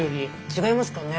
違いますかね？